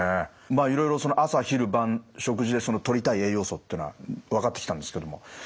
まあいろいろ朝昼晩食事でとりたい栄養素っていうのは分かってきたんですけども